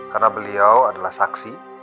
karena beliau adalah saksi